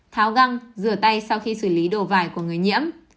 tháo găng rửa tay sau khi xử lý đồ vải của người nhiễm